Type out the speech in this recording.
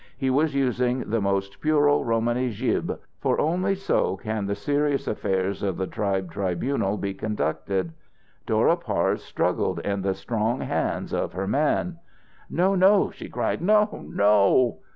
He was using the most puro Romany jib, for only so can the serious affairs of the tribe tribunal be conducted. Dora Parse struggled in the strong hands of her man. "No! No!" she cried. "No no!"